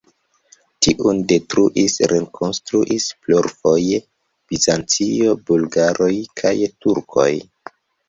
Tiun detruis, rekonstruis plurfoje Bizancio, bulgaroj kaj turkoj.